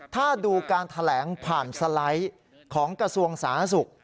ถ้าดูการแถลงผ่านสไลด์ของกระทรวงสาธารณสุข